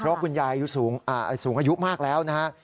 เพราะคุณยายสูงอายุมากแล้วนะครับ